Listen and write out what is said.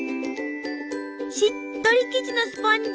しっとり生地のスポンジ。